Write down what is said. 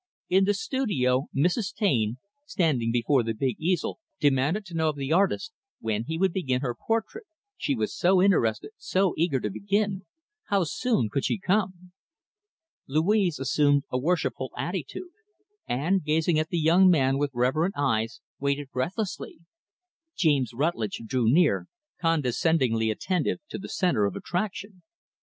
In the studio, Mrs. Taine standing before the big easel demanded to know of the artist, when he would begin her portrait she was so interested, so eager to begin how soon could she come? Louise assumed a worshipful attitude, and, gazing at the young man with reverent eyes, waited breathlessly. James Rutlidge drew near, condescendingly attentive, to the center of attraction.